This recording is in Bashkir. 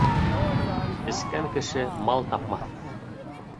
Эскән кеше мал тапмаҫ.